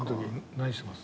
何してます？